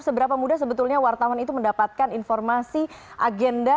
seberapa mudah sebetulnya wartawan itu mendapatkan informasi agenda